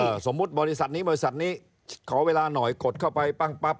สมมุติบริษัทนี้บริษัทนี้ขอเวลาหน่อยกดเข้าไปปั้งปั๊บ